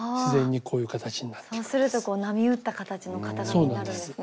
そうするとこう波打った形の型紙になるんですね。